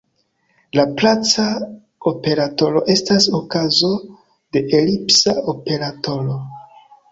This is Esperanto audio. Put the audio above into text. Laplaca operatoro estas okazo de elipsa operatoro.